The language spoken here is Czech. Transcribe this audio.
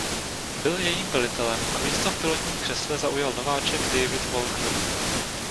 Byl jejím velitelem a místo v pilotním křesle zaujal nováček David Walker.